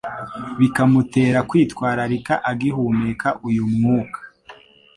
Bikamutera kwitwararika agihumeka uyu mwuka